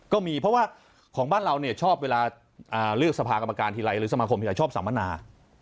ก็เค้าบ้านเราชอบเวลาเลือกสภากรรมการหรือสมะคมหรืออะไรชอบสำโมนา